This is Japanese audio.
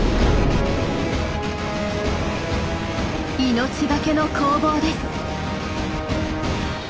命がけの攻防です。